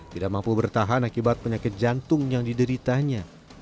tidak mampu bertahan akibat penyakit jantung yang dideritanya